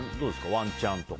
ワンチャンとか。